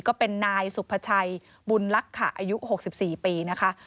ก็เป็นนายสุภาชัยบุญลักษะอายุ๖๔ปีนะคะ